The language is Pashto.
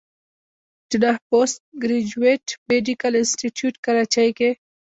جناح پوسټ ګريجويټ ميډيکل انسټيتيوټ کراچۍ کښې